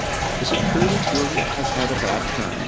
Is it true that Julia has had a bad turn